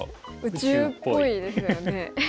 宇宙っぽいですよね。